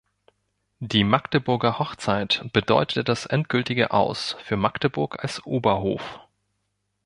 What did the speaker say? Die "Magdeburger Hochzeit" bedeute das endgültige „Aus“ für Magdeburg als Oberhof.